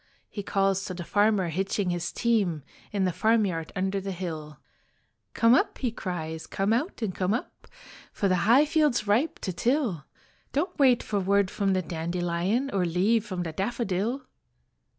He calls to the farmer hitching his team In the farmyard under the hill. "Come up," he cries, "come out and come up, For the high field's ripe to till. Don't wait for word from the dandelion Or leave from the daffodil."